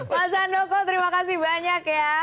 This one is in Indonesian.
mas handoko terima kasih banyak ya